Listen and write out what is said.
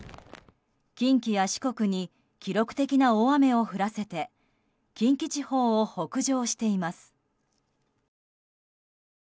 近畿や四国に記録的な大雨を降らせて近畿地方を北上しています。